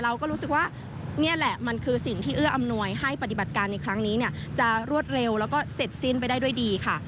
เราก็รู้สึกว่านี่แหละมันคือสิ่งที่เอื้ออำนวยให้ปฏิบัติการในครั้งนี้เนี่ยจะรวดเร็วแล้วก็เสร็จสิ้นไปได้ด้วยดีค่ะ